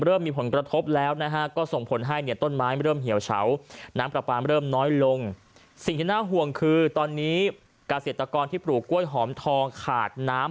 เริ่มมีผลกระทบแล้วนะคะ